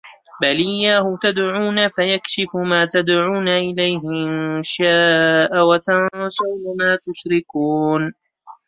بَلْ إِيَّاهُ تَدْعُونَ فَيَكْشِفُ مَا تَدْعُونَ إِلَيْهِ إِنْ شَاءَ وَتَنْسَوْنَ مَا تُشْرِكُونَ